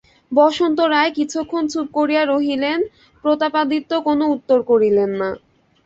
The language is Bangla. বসন্ত রায় কিয়ৎক্ষণ চুপ করিয়া রহিলেন, প্রতাপাদিত্য কোনো উত্তর করিলেন না।